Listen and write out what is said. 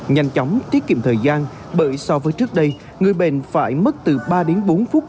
nhanh chóng tiết kiệm thời gian bởi so với trước đây người bệnh phải mất từ ba đến bốn phút